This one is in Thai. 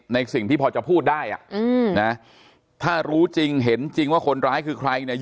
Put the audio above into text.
ในสิ่งที่พอจะพูดได้อ่ะนะถ้ารู้จริงเห็นจริงว่าคนร้ายคือใครเนี่ย